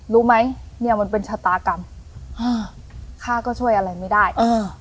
รู้ไหมเนี่ยมันเป็นชะตากรรมฮะข้าก็ช่วยอะไรไม่ได้อ่า